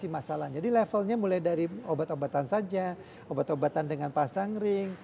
masalahnya jadi levelnya mulai dari obat obatan saja obat obatan dengan pasang ring